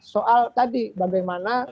soal tadi bagaimana